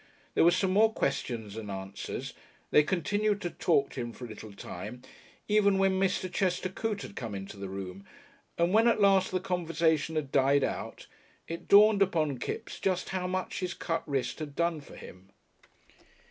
There was some more questions and answers they continued to talk to him for a little time, even when Mr. Chester Coote had come into the room and when at last the conversation had died out it dawned upon Kipps just how much his cut wrist had done for him....